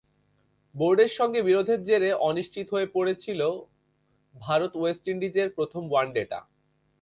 বোর্ডের সঙ্গে বিরোধের জেরে অনিশ্চিত হয়ে পড়েছিল ভারত-ওয়েস্ট ইন্ডিজের প্রথম ওয়ানডেটা।